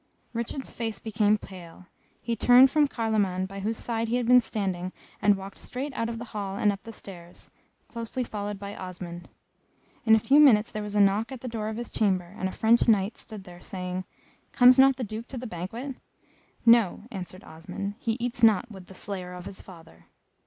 Richard's face became pale he turned from Carloman by whose side he had been standing, and walked straight out of the hall and up the stairs, closely followed by Osmond. In a few minutes there was a knock at the door of his chamber, and a French Knight stood there saying, "Comes not the Duke to the banquet?" "No," answered Osmond: "he eats not with the slayer of his father."